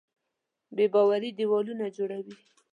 بېباوري دیوالونه جوړوي.